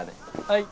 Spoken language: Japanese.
はい。